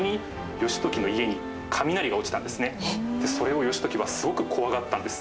それを義時はすごく怖がったんです。